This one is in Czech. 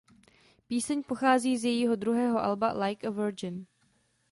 Píseň pochází z jejího druhého alba "Like a Virgin".